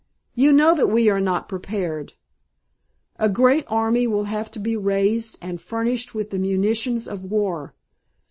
You know that we are not prepared. A great army will have to be raised and furnished with the munitions of war.